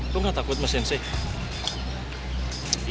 lo gak takut sama sensei